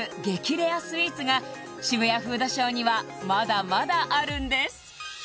レアスイーツが渋谷フードショーにはまだまだあるんです